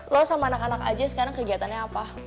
lo sama anak anak aja sekarang kegiatannya apa